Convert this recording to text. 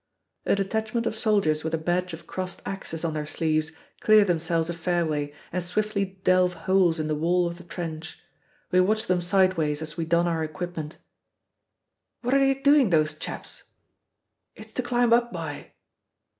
A detachment of soldiers with a badge of crossed axes on their sleeves clear themselves a fairway and swiftly delve holes in the wall of the trench. We watch them sideways as we don our equipment. "What are they doing, those chaps?" "It's to climb up by."